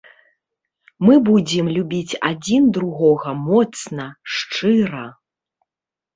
Мы будзем любіць адзін другога моцна, шчыра.